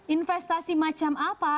investasi macam apa